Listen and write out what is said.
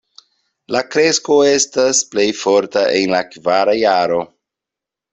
La kresko estas plej forta en la kvara jaro.